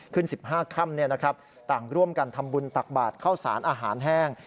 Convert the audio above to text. ขึ้น๑๕ค่ำต่างร่วมกันทำบุญตักบาทเข้าสารอาหารแห้ง